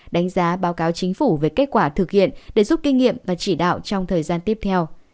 đánh giá báo cáo chính phủ về kết quả thực hiện để giúp kinh nghiệm và chỉ đạo trong thời gian tiếp theo